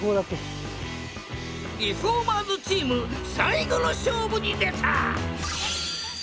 リフォーマーズチーム最後の勝負に出た！